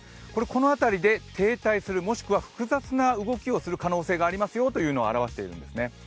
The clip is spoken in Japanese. この辺りで停滞する、もしくは複雑を動きをする可能性がありますよというのを表しているんですね